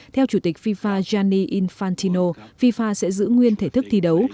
theo chủ tịch fifa jani infantino fifa sẽ giữ nguyên thể thức thi đấu